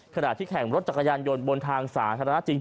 ขณะที่แข่งรถจักรยานยนต์บนทางสาธารณะจริง